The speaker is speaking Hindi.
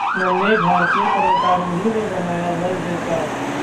नन्हे भारतीय पर्वतारोही ने बनाया वर्ल्ड रिकॉर्ड